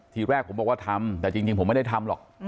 ทีแรกผมบอกว่าทำแต่จริงผมไม่ได้ทำหรอก